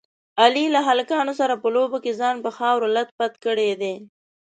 علي د هلکانو سره په لوبو کې ځان په خاورو لت پت کړی دی.